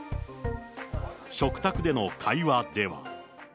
食卓での会話では。